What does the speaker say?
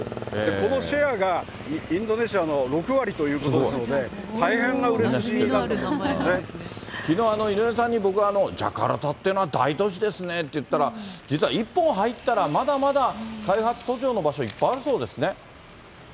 このシェアが、インドネシアの６割ということなので、きのう、井上さんに、僕はジャカルタっていうのは大都市ですねって言ったら、実は１本入ったら、まだまだ開発途上の場所、いっぱいあるそうですね。